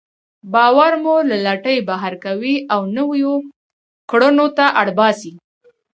باور مو له لټۍ بهر کوي او نويو کړنو ته اړ باسي.